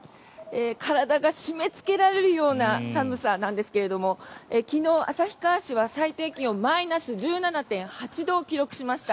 体が締めつけられるような寒さなんですけども昨日、旭川市では最低気温マイナス１７．８度を記録しました。